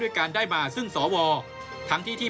การได้มาซึ่งสวทั้งที่ที่